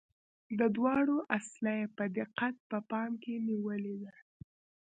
دا دواړه اصله یې په دقت په پام کې نیولي دي.